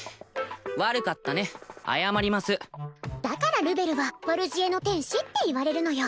悪かったね謝りますだからルベルは悪知恵の天使って言われるのよ